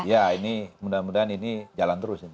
ya ini mudah mudahan ini jalan terus